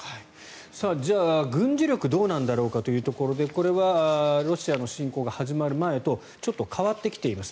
じゃあ、軍事力はどうなんだろうかというところでこれはロシアの侵攻が始まる前とちょっと変わってきています。